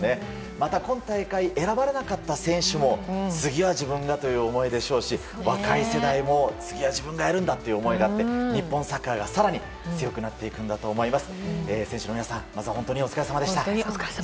また、今大会選ばれなかった選手も次は自分がという思いでしょうし若い世代も次は自分がやるんだっていう思いがあって日本サッカーが更に強くなっていくんだと思います。